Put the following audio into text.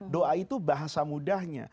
doa itu bahasa mudahnya